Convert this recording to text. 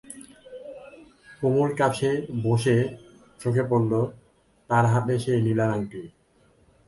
কুমুর কাছে বসেই চোখে পড়ল, তার হাতে সেই নীলার আংটি।